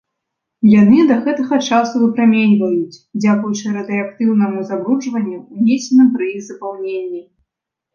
Яны да гэтага часу выпраменьваюць, дзякуючы радыеактыўнаму забруджванню, унесеным пры іх запаўненні.